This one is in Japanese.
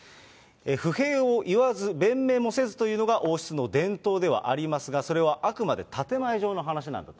不平を言わず、弁明もせずというのが王室の伝統ではありますが、それはあくまで建て前上の話なんだと。